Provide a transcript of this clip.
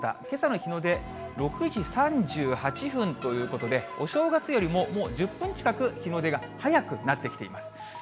けさの日の出６時３８分ということで、お正月よりももう１０分近く、日の出が早くなってきています。